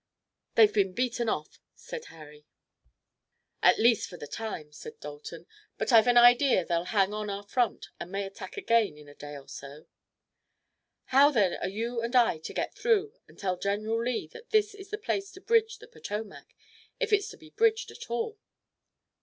"They've been beaten off," said Harry. "At least for the time," said Dalton, "but I've an idea they'll hang on our front and may attack again in a day or so." "How then are you and I to get through and tell General Lee that this is the place to bridge the Potomac, if it's to be bridged at all?"